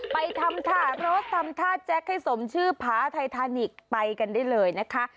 ไปทำท่ารถทำท่าแจ็คให้สมชื่อผาไททานิกไปกันได้เลยนะคะ